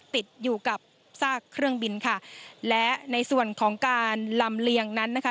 ติดอยู่กับซากเครื่องบินค่ะและในส่วนของการลำเลียงนั้นนะคะ